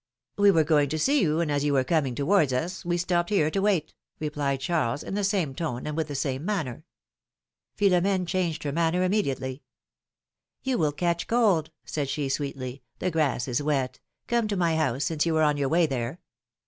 We were going to see yon, and as you were coming towards us we stopped here to wait,^^ replied Charles in the same tone and with the same manner. Philomene changed her manner immediately. You will catch cold,^^ said she, sweetly; ^Hhe grass is wet. Come to my house, since you were on your way there.